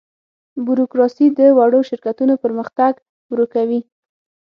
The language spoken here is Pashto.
بوروکراسي د وړو شرکتونو پرمختګ ورو کوي.